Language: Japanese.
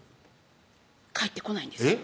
返ってこないんですよ